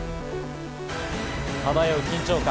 漂う緊張感。